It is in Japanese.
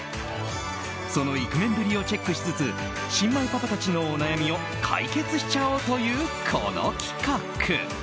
そのイクメンぶりをチェックしつつ新米パパたちのお悩みを解決しちゃおうという、この企画。